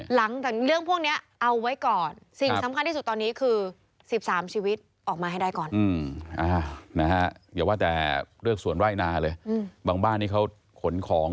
หลังจากเรื่องพวกนี้เอาไว้ก่อน